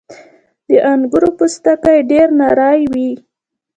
• د انګورو پوستکی ډېر نری وي.